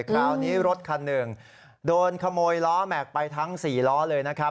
คราวนี้รถคันหนึ่งโดนขโมยล้อแม็กซ์ไปทั้ง๔ล้อเลยนะครับ